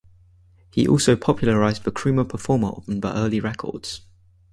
He also popularised the Crumar Performer on the early records.